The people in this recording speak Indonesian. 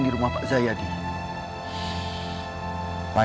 dan aku harap